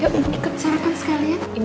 yuk ikut sarapan sekalian